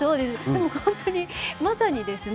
でも本当にまさにですね